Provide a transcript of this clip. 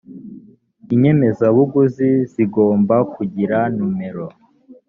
inyemezabuguzi zigomba kugira nomero